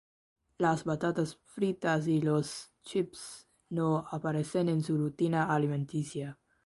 Las batatas fritas y los chips no aparecen en su rutina alimenticia.